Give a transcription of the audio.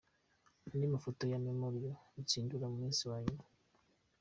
Andi mafoto ya Memorial Rutsindura ku munsi wa nyuma.